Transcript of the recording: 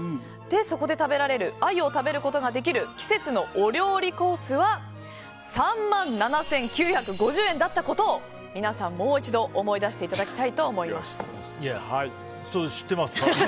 そこで食べられるアユを食べることができる季節のお料理コースは３万７９５０円だったことを皆さん、もう一度思い出していただきたいと思います。